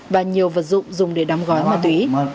và nhiều vật dụng dùng để đóng gói ma túy